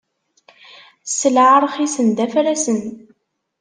Sselɛa ṛxisen d afrasen.